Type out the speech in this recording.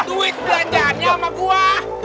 duit belanjaannya sama gua